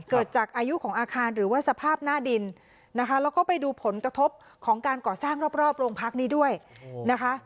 เกิดจากอายุของอาคารหรือว่าสภาพหน้าดินนะคะแล้วก็ไปดูผลกระทบของการก่อสร้างรอบโรงพักนี้ด้วยนะคะ